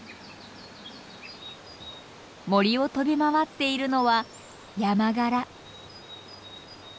森を飛び回っているのはヤマガラ。